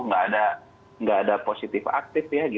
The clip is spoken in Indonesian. nggak ada positif aktif ya